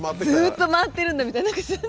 ずっと回ってるんだみたいな。